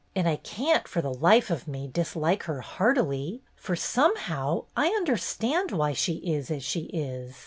And I can't, for the life of me, dislike her heartily, for somehow I under stand why she is as she is.